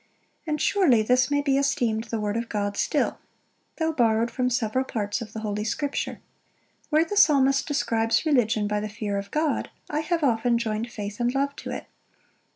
And surely this may be esteemed the word of God still, though borrowed from several parts of the Holy Scripture. Where the Psalmist describes religion by the fear of God, I have often joined faith and love to it.